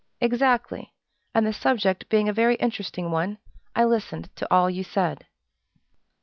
"Exactly! and the subject being a very interesting one, I listened to all you said."